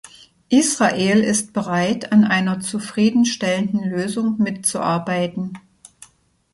Israel ist bereit, an einer zufrieden stellenden Lösung mitzuarbeiten.